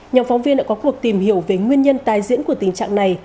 nhóm phóng viên đã có cuộc tìm hiểu về nguyên nhân tai diễn của tình trạng này